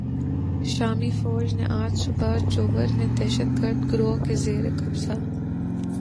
شامی فوج نے آج صبح "جوبر" میں دہشتگرد گروہ کے زیر قبضہ